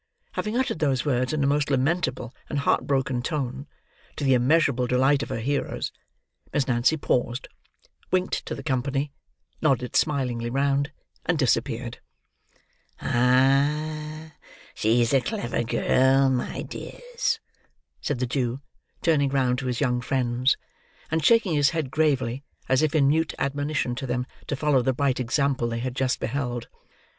Having uttered those words in a most lamentable and heart broken tone: to the immeasurable delight of her hearers: Miss Nancy paused, winked to the company, nodded smilingly round, and disappeared. "Ah, she's a clever girl, my dears," said the Jew, turning round to his young friends, and shaking his head gravely, as if in mute admonition to them to follow the bright example they had just beheld.